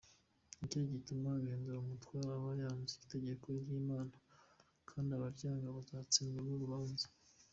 Nicyo gituma ugandira umutware aba yanze itegeko ry’Imana, kandi abaryanga bazatsindwa n’urubanza….